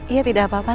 iya tidak apa apa